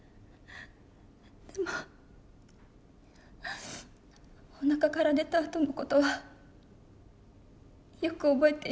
でもおなかから出たあとの事はよく覚えていません。